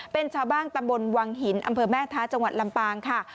เป็นชาวบ้านตำบลวังหินอำเภอแม่ท้าจังหวัดลำปางค่ะ